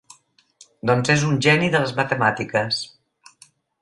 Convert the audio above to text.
Doncs és un geni de les matemàtiques.